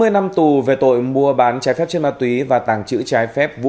bốn mươi năm tù về tội mua bán trái phép chất ma túy và tàng trữ trái phép vũ